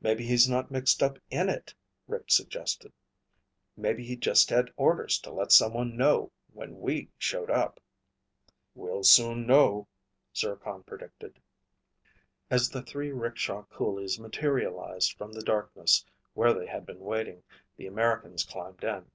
"Maybe he's not mixed up in it," Rick suggested. "Maybe he just had orders to let someone know when we showed up." "We'll soon know," Zircon predicted. As the three rickshaw coolies materialized from the darkness where they had been waiting, the Americans climbed in.